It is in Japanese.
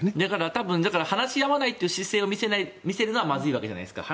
多分話し合わないという姿勢を見せるのはまずいわけじゃないですか。